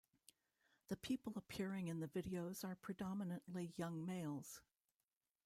The people appearing in the videos are predominantly young males.